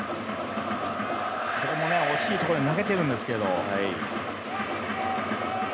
ここも惜しいところで投げているんですけど。